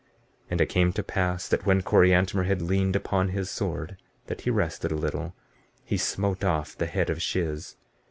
15:30 And it came to pass that when Coriantumr had leaned upon his sword, that he rested a little, he smote off the head of Shiz.